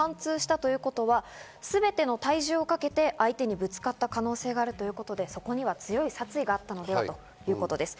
そして刺し傷が肝臓を貫通したということはすべての体重をかけて相手にぶつかった可能性があるということで強い殺意があったのではということです。